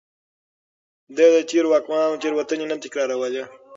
ده د تېرو واکمنانو تېروتنې نه تکرارولې.